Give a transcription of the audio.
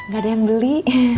gak ada yang beli